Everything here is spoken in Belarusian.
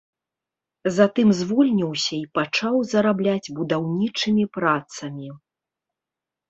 Затым звольніўся і пачаў зарабляць будаўнічымі працамі.